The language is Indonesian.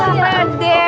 oh sama de